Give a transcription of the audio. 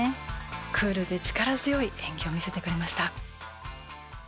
クールで力強い演技を見せてくれました。